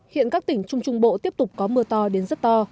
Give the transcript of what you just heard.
hiện các tỉnh trung trung bộ tiếp tục có mưa to đến rất to